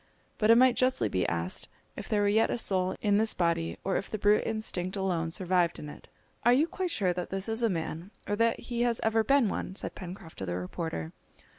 But it might justly be asked if there were yet a soul in this body, or if the brute instinct alone survived in it! "Are you quite sure that this is a man, or that he has ever been one?" said Pencroft to the reporter.